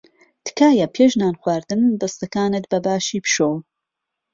تکایە پێش نان خواردن دەستەکانت بەباشی بشۆ.